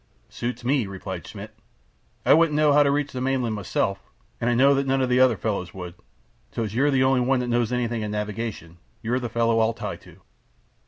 "Suits me," replied Schmidt. "I wouldn't know how to reach the mainland myself, an' know that none o' the other fellows would, so's you're the only one that knows anything of navigation you're the fellow I'll tie to."